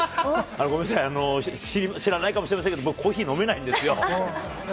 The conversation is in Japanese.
ごめんなさい、知らないかもしれませんけど、僕、コーヒー飲めないんですよ。